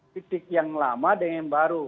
titik yang lama dengan yang baru